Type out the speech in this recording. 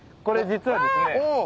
これ実はですね。